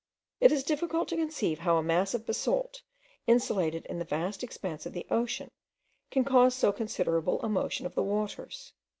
It is difficult to conceive how a mass of basalt, insulated in the vast expanse of the ocean, can cause so considerable a motion of the waters.